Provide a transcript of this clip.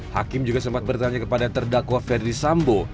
hakim juga sempat bertanya kepada terdakwa ferdi sambo